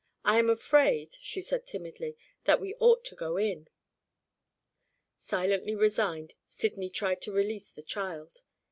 I am afraid," she said, timidly, "that we ought to go in." Silently resigned, Sydney tried to release the child.